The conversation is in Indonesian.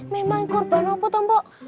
memang korban apa toh mbok